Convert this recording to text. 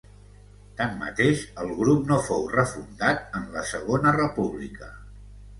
Tanmateix, el grup no fou refundat en la Segona República.